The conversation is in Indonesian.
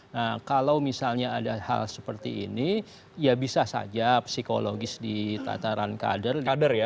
nah kalau misalnya ada hal seperti ini ya bisa saja psikologis di tataran kader kader ya